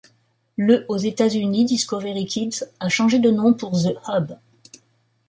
Le aux États-Unis, Discovery Kids a changé de nom pour The Hub.